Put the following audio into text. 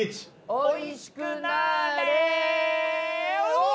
おいしくなーれ！